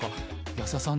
安田さん